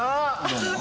どうも。